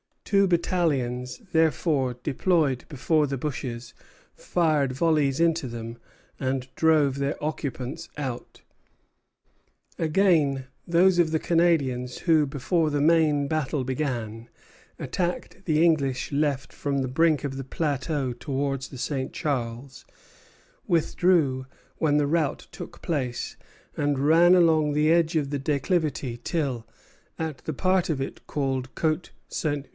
Two battalions, therefore, deployed before the bushes, fired volleys into them, and drove their occupants out. Daine au Ministre, 9 Oct. 1759. Again, those of the Canadians who, before the main battle began, attacked the English left from the brink of the plateau towards the St. Charles, withdrew when the rout took place, and ran along the edge of the declivity till, at the part of it called Côte Ste.